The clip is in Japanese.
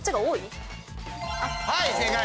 はい正解！